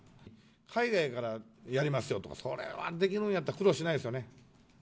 海外からやりますよとか、それはできるんやったら苦労しないですよね。